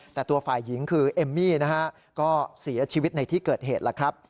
แต่ตัวฝ่ายหญิงคือเอมมี่นะฮะก็เสียชีวิตในที่เกิดเหตุแล้วครับ